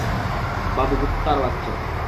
বাবু, কুত্তার বাচ্চা!